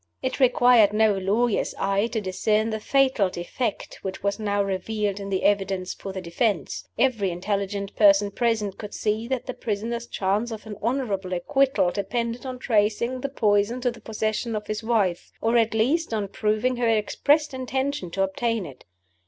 It required no lawyer's eye to discern the fatal defect which was now revealed in the evidence for the defense. Every intelligent person present could see that the prisoner's chance of an honorable acquittal depended on tracing the poison to the possession of his wife or at least on proving her expressed intention to obtain it.